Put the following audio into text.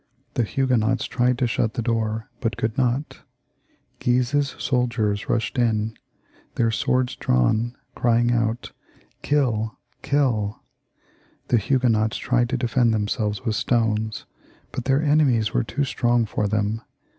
The Huguenots tried to shut the door, but could not; Guise's soldiers rushed in, their swords drawn, crying out. " Kill, Trill/' The Huguenots tried to defend themselves with stones, but their enemies were too strong for them.